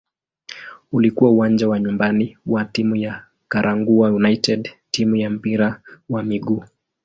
Ulikuwa uwanja wa nyumbani wa timu ya "Garankuwa United" timu ya mpira wa miguu.